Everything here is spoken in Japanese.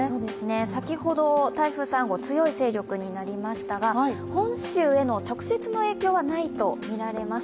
先ほど台風３号、強い勢力になりましたが本州への直接の影響はないとみられます。